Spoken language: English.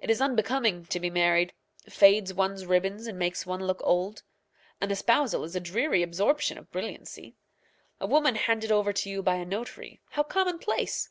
It is unbecoming to be married fades one's ribbons and makes one look old. An espousal is a dreary absorption of brilliancy. A woman handed over to you by a notary, how commonplace!